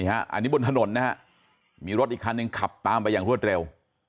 อันนี้บนถนนนะฮะมีรถอีกคันหนึ่งขับตามไปอย่างรวดเร็ว